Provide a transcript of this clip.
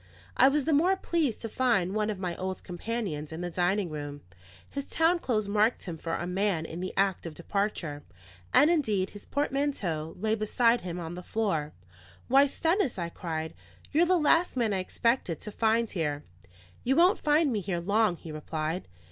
I was the more pleased to find one of my old companions in the dining room; his town clothes marked him for a man in the act of departure; and indeed his portmanteau lay beside him on the floor. "Why, Stennis," I cried, "you're the last man I expected to find here." "You won't find me here long," he replied.